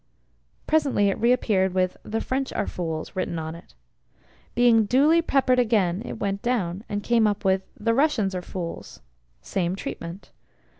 Presently it reappeared with "The French are fools!" written on it. Being duly peppered again it went down, and came up with "The Russians are fools!" Same treatment.